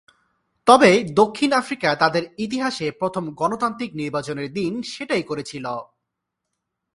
তবে দক্ষিণ আফ্রিকা তাদের ইতিহাসে প্রথম গণতান্ত্রিক নির্বাচনের দিন সেটাই করেছিল।